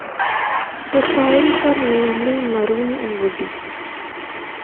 The soils are mainly maroon and woody.